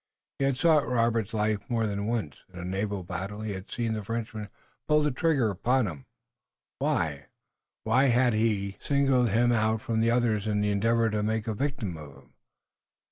He had sought Robert's life more than once. In the naval battle he had seen the Frenchman pull trigger upon him. Why? Why had he singled him out from the others in the endeavor to make a victim of him?